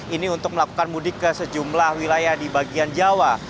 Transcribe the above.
ini untuk melakukan mudik ke sejumlah wilayah di bagian jawa